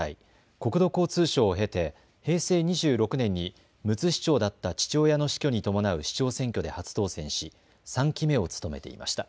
国土交通省を経て平成２６年にむつ市長だった父親の死去に伴う市長選挙で初当選し３期目を務めていました。